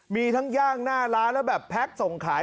มีทั้งย่างหน้าร้านแล้วแบบแพ็คส่งขาย